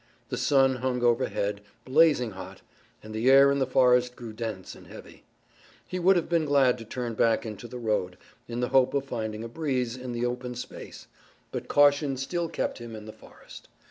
The sun hung overhead, blazing hot, and the air in the forest grew dense and heavy. He would have been glad to turn back into the road, in the hope of finding a breeze in the open space, but caution still kept him in the forest.